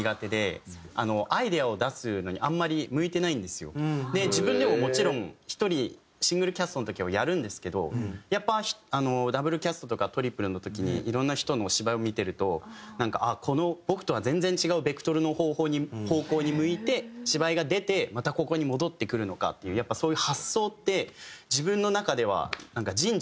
すごく自分が。自分でももちろん１人シングルキャストの時はやるんですけどやっぱＷキャストとかトリプルの時にいろんな人の芝居を見てるとなんかこの僕とは全然違うベクトルの方向に向いて芝居が出てまたここに戻ってくるのかっていうやっぱそういう発想って自分の中ではなんか。